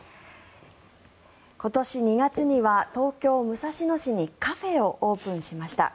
今年２月には東京・武蔵野市にカフェをオープンしました。